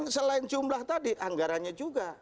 selain jumlah tadi anggarannya juga